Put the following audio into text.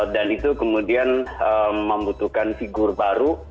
dan itu kemudian membutuhkan figur baru